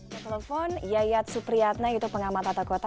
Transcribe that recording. kepala telepon yayat supriyatna pengamat tata kota